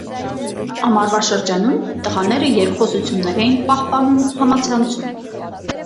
Ամառվա շրջանում տղաները երկխոսություններ էին պահպանում համացանցում։